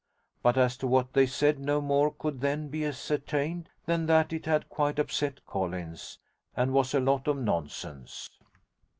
But as to what they said no more could then be ascertained than that it had quite upset Collins, and was a lot of nonsense.